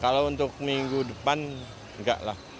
kalau untuk minggu depan enggak lah